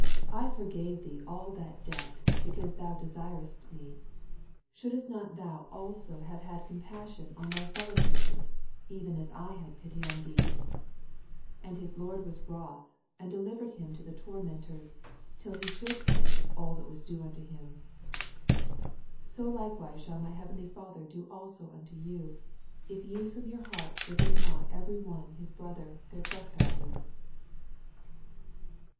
I forgave thee all that debt, because tnou desiredst me : 83 Shouldest not thou also have had compassion on thy feUow servant, even as I had pity on thee ? 84 And his lord was wroth, and de« livered him to the tormentors, till he should pay all that was due unto him. 85 So likewise shall my heavenly Father do also unto you, if ye from your hearts forgive not every one hii brother their trespasses.